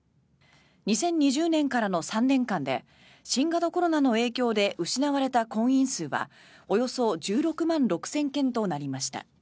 ２０２０年からの３年間で新型コロナの影響で失われた婚姻数はおよそ１６万６０００件となりました。